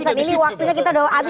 saat ini waktunya kita udah habis